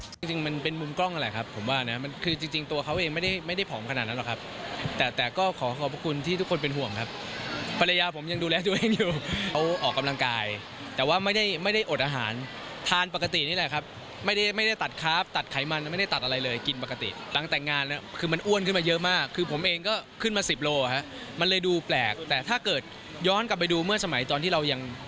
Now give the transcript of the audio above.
จริงมันเป็นมุมกล้องอะไรครับผมว่านะมันคือจริงตัวเขาเองไม่ได้ไม่ได้ผอมขนาดนั้นหรอกครับแต่แต่ก็ขอขอบคุณที่ทุกคนเป็นห่วงครับภรรยาผมยังดูแลตัวเองอยู่เขาออกกำลังกายแต่ว่าไม่ได้ไม่ได้อดอาหารทานปกตินี่แหละครับไม่ได้ไม่ได้ตัดคราฟตัดไขมันไม่ได้ตัดอะไรเลยกินปกติตั้งแต่งงานนะคือมั